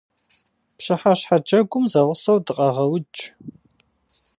Пщыхьэщхьэ джэгум зэгъусэу дыкъэгъэудж.